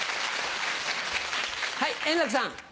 はい円楽さん。